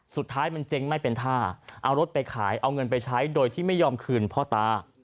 สุดท้ายมันเจ๊งไม่เป็นท่าเอารถไปขายเอาเงินไปใช้โดยที่ไม่ยอมคืนพ่อตา